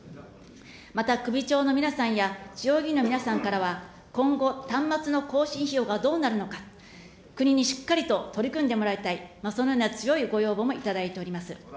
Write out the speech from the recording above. また首長の皆さんや地方議員の皆さんからは、今後、端末の更新費用がどうなるのか、国にしっかりと取り組んでもらいたい、そのような強いご要望も頂いております。